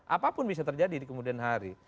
apapun bisa terjadi di kemudian hari